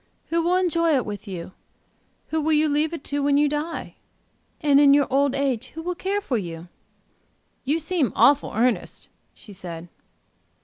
Who will enjoy it with you? Who will you leave it to when you die? And in your old age who will care for you?" "You seem awful earnest," she said.